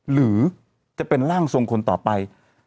หรือจะเป็นร่างทรงคนต่อไป